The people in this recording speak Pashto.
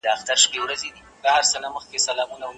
هغې د خپل حق لپاره کار وکړ.